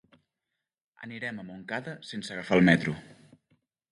Anirem a Montcada sense agafar el metro.